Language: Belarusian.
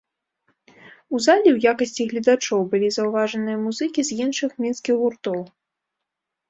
У залі ў якасці гледачоў былі заўважаныя музыкі з іншых мінскіх гуртоў.